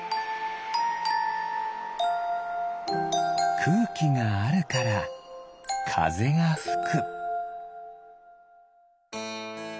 くうきがあるからかぜがふく。